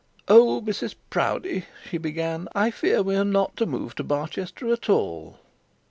'Oh, Mrs Proudie,' she began, 'I fear we are not to move to Barchester at all.'